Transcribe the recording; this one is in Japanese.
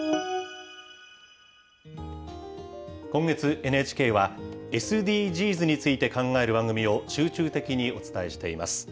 今月、ＮＨＫはＳＤＧｓについて考える番組を集中的にお伝えしています。